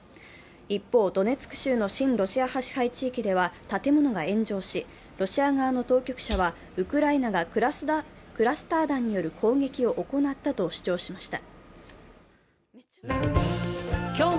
一方、ドネツク州の親ロシア派支配地域では建物が炎上し、ロシア側の当局者はウクライナがクラスター弾による攻撃を行ったと主張しました。